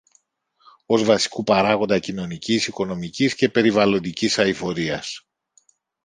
ως βασικού παράγοντα κοινωνικής, οικονομικής και περιβαλλοντικής αειφορίας.